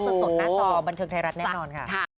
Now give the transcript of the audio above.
สดสดนะจะออกบันเทิงไทยรัฐแน่นอนค่ะ